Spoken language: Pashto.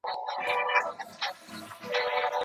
زه کور جارو کوم.